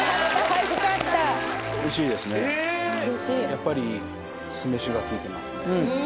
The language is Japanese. やっぱり酢飯が効いてますね。